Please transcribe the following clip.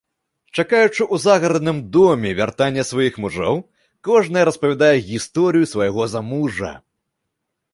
Чакаючы ў загарадным доме вяртання сваіх мужоў, кожная распавядае гісторыю свайго замужжа.